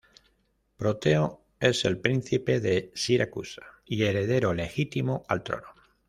Proteo es el príncipe de Siracusa y heredero legítimo al trono.